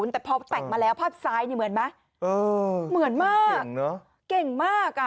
แต่พอแต่งมาแล้วภาพซ้ายนี่เหมือนไหมเหมือนมากเก่งมากอ่ะ